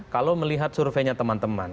kalau melihat surveinya teman teman